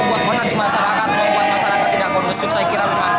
membuat orang orang di masyarakat tidak akan menyesuaikan